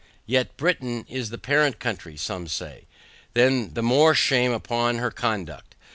But Britain is the parent country, say some. Then the more shame upon her conduct.